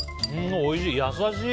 おいしい。